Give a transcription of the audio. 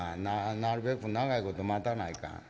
なるべく長いこと待たないかん」。